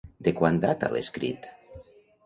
De quan data l'escrit?